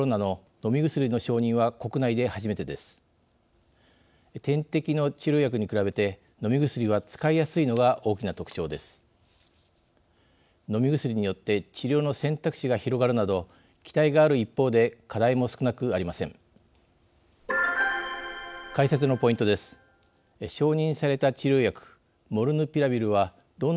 飲み薬によって治療の選択肢が広がるなど期待がある一方で課題も少なくありません。